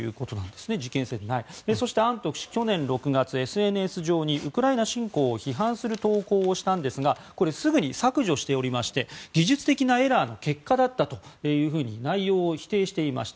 そしてアントフ氏去年６月、ＳＮＳ上にウクライナ侵攻を批判する投稿をしたんですがこれはすぐに削除しておりまして技術的なエラーの結果だったと内容を否定していました。